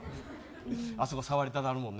あそこ触りたなるもんね。